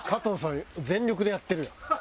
全力でやってるやん。